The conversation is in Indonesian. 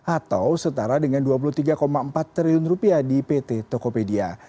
atau setara dengan dua puluh tiga empat triliun rupiah di pt tokopedia